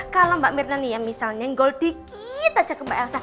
kalau mbak mirna nih ya misalnya gol dikit aja ke mbak elsa